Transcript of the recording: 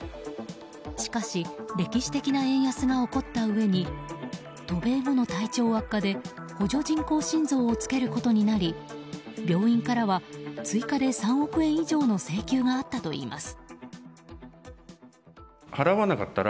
しかし歴史的な円安が起こったうえに渡米後の体調悪化で補助人工心臓を着けることになり病院からは追加で３億円以上の請求があったといいます。